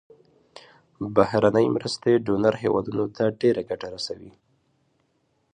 بهرنۍ مرستې ډونر هیوادونو ته ډیره ګټه رسوي.